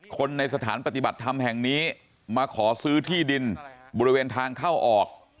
คนในสถานปฏิบัติธรรมแห่งนี้มาขอซื้อที่ดินบริเวณทางเข้าออก